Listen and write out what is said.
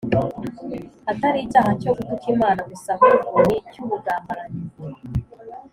, atari icyaha cyo gutuka Imana gusa, ahubwo n’icy’ubugambanyi